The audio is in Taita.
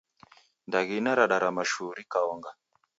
Ndaghina radarama shuu rikaonga